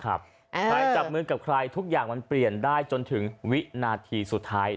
ใครจับมือกับใครทุกอย่างมันเปลี่ยนได้จนถึงวินาทีสุดท้าย